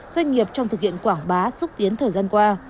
doanh nghiệp trong thực hiện quảng bá xúc tiến thời gian qua